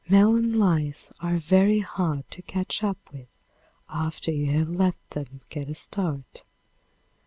Melon lice are very hard to catch up with after you have let them get a start.